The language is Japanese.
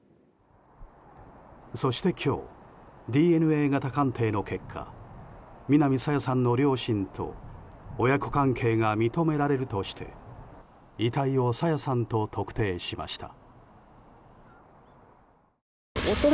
そして、今日ＤＮＡ型鑑定の結果南朝芽さんの両親と親子関係が認められるとして遺体を朝芽さんと特定しました。